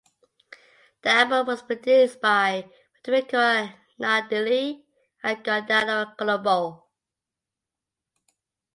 The album was produced by Federico Nardelli and Giordano Colombo.